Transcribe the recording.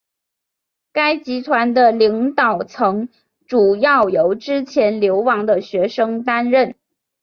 该集团的领导层主要由之前流亡的学生担任。